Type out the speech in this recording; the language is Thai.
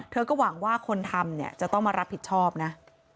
เธอก็หวังว่าคนทำจะต้องมารับผิดชอบนะ